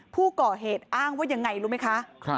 ผู้ก่อเหตุอ้างว่ายังไงรู้ไหมคะ